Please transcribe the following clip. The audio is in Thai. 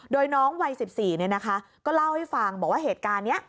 โดยน้องวัย๑๔ก็เล่าให้ฟังบอกว่าเหตุการณ์นี้